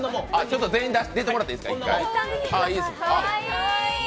全員１回出てもらっていいですか？